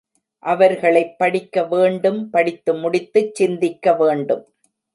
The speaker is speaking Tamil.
அவர்களைப் படிக்க வேண்டும் படித்து முடித்துச் சிந்திக்க வேண்டும்.